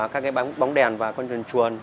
các cái bóng đèn và con chuồn chuồn